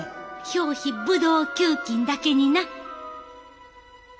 表皮ブドウ球菌だけにな。